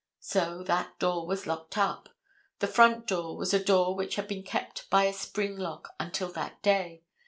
So that door was locked up. The front door was a door which had been kept by a spring lock until that day.